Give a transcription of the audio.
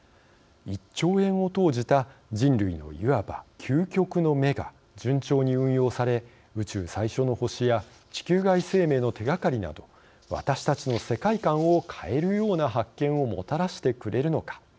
１兆円を投じた人類のいわば究極の目が順調に運用され宇宙最初の星や地球外生命の手がかりなど私たちの世界観を変えるような発見をもたらしてくれるのか。